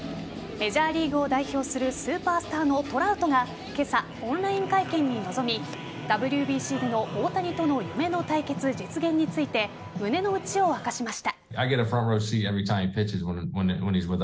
メジャーリーグを代表するスーパースターのトラウトが今朝、オンライン会見に臨みＷＢＣでの大谷との夢の対決実現について胸の内を明かしました。